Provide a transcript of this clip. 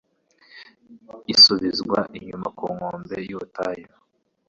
isubizwa inyuma ku nkombe z'ubutayu